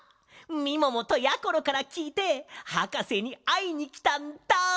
みももとやころからきいてはかせにあいにきたんだ！